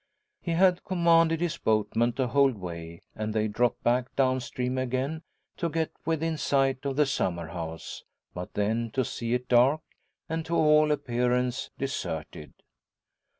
He had commanded his boatman to hold way, and they dropped back down stream again to get within sight of the summer house, but then to see it dark, and to all appearance deserted.